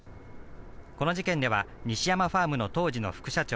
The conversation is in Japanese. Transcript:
この事件では西山ファームの当時の副社長